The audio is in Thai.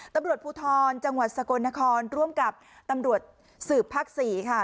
ตำรวจภูทรจังหวัดสกลนครร่วมกับตำรวจสืบภาค๔ค่ะ